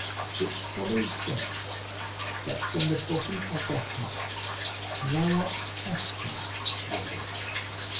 For it follows thence that from the bottom of the heart thou art hostile to the law.